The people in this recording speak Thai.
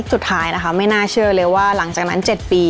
สุดท้ายนะคะไม่น่าเชื่อเลยว่าหลังจากนั้น๗ปี